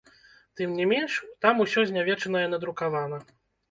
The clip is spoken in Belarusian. Тым не менш, там усё знявечанае надрукавана.